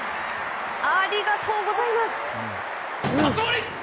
ありがとうございます！